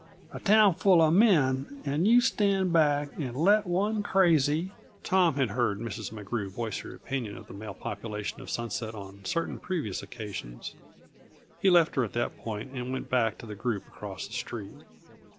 A town full uh men and you stand back and let one crazy " Tom had heard Mrs. McGrew voice her opinion of the male population of Sunset on certain previous occasions. He left her at that point, and went back to the group across the street.